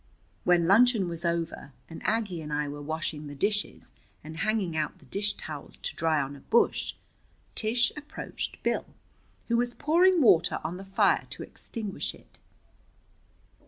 When luncheon was over and Aggie and I were washing the dishes and hanging out the dish towels to dry on a bush, Tish approached Bill, who was pouring water on the fire to extinguish it.